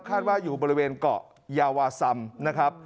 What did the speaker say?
ว่าอยู่บริเวณเกาะยาวาซัมนะครับ